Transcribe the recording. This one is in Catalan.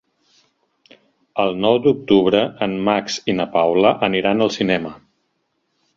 El nou d'octubre en Max i na Paula aniran al cinema.